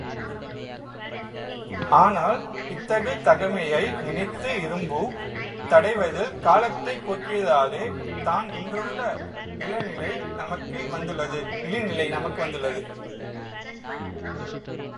ஆனால் இத்தகு தகைமையை நினைந்து இறும்பூ தடைவதில் காலத்தைப் போக்கியதாலே தான் இன்றுள்ள இழிநிலை நமக்கு வந்துள்ளது.